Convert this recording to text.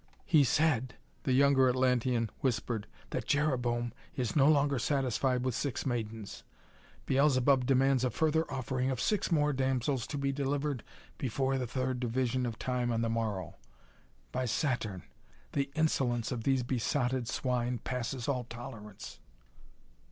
"He said," the younger Atlantean whispered, "that Jereboam is no longer satisfied with six maidens. Beelzebub demands a further offering of six more damsels to be delivered before the third division of time on the morrow. By Saturn! The insolence of these besotted swine passes all tolerance!"